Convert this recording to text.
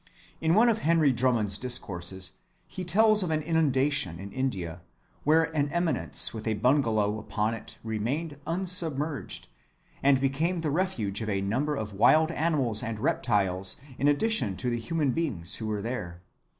In one of Henry Drummond's discourses he tells of an inundation in India where an eminence with a bungalow upon it remained unsubmerged, and became the refuge of a number of wild animals and reptiles in addition to the human beings who were there.